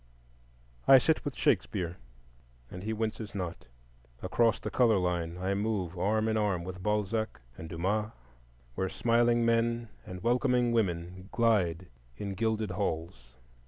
I sit with Shakespeare and he winces not. Across the color line I move arm in arm with Balzac and Dumas, where smiling men and welcoming women glide in gilded halls.